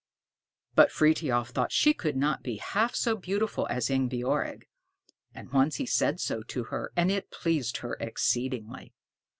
But Frithiof thought she could not be half so beautiful as Ingebjorg. And once he said so to her, and it pleased her exceedingly.